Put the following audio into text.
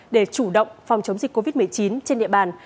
để chủ động phòng chống dịch covid một mươi chín trên địa bàn